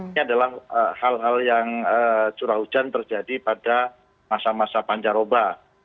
ini adalah hal hal yang curah hujan terjadi pada masa masa pancaroba